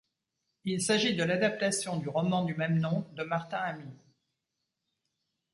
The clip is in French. Il s'agit de l'adaptation du roman du même nom de Martin Amis.